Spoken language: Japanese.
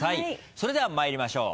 それでは参りましょう。